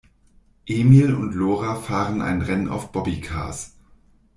Emil und Lora fahren ein Rennen auf Bobbycars.